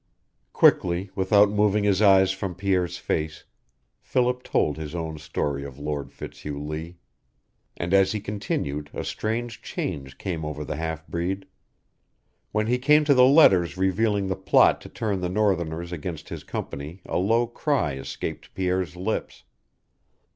Quickly, without moving his eyes from Pierre's face, Philip told his own story of Lord Fitzhugh Lee. And as he continued a strange change came over the half breed. When he came to the letters revealing the plot to turn the northerners against his company a low cry escaped Pierre's lips.